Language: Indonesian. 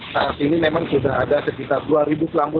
saat ini memang sudah ada sekitar dua ribu kelamu